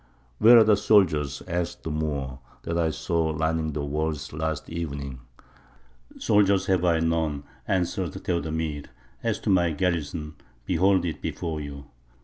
"Where are the soldiers," asked the Moor, "that I saw lining the walls last evening?" "Soldiers have I none," answered Theodemir. "As to my garrison, behold it before you.